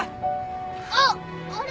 あっあれ。